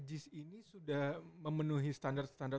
jis ini sudah memenuhi standar standar